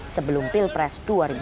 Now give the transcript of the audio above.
sebelum pilpres dua ribu sembilan belas